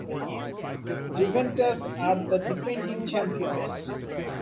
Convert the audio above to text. Juventus are the defending champions.